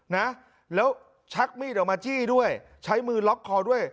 นะแล้วชักมีดออกมาจี้ด้วยใช้มือล็อกคอด้วย